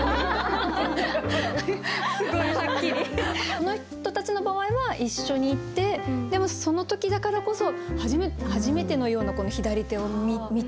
この人たちの場合は一緒に行ってでもその時だからこそ初めてのような左手を見た。